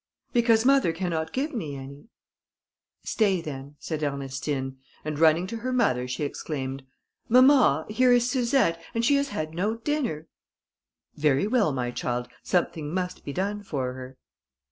"Because mother cannot give me any." "Stay, then," said Ernestine, and running to her mother, she exclaimed, "Mamma, here is Suzette, and she has had no dinner." "Very well, my child, something must be done for her."